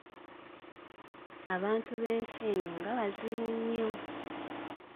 Abantu b’ensi eno nga bazibu nnyo!